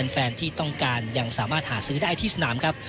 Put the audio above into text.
แฟนที่ต้องการยังสามารถหาซื้อได้ที่สนามครับ